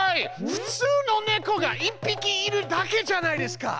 ふつうのネコが１匹いるだけじゃないですか！